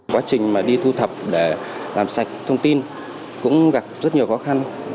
quá trình mà đi thu thập để làm sạch thông tin cũng gặp rất nhiều khó khăn vừa phải đến từng nhà